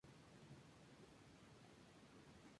Iglesia parroquial gótica con elementos renacentistas.